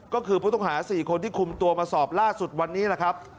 ก็คือผู้ต้องหา๔คนที่คุมตัวมาสอบล่าสุดวันนี้แหละครับ